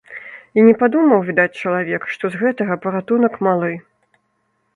І не падумаў, відаць, чалавек, што з гэтага паратунак малы.